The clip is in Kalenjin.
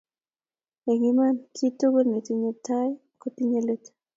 eng Iman kiiy tugul netinye tai kotinye leet